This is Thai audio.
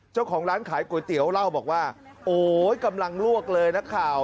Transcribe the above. เจ้าของร้านขายก๋วยเตี๋ยวเล่าบอกว่าโอ๊ยกำลังลวกเลยนักข่าว